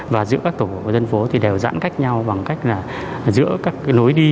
và giữa các tổ dân phố đều giãn cách nhau bằng cách là giữa các nối đi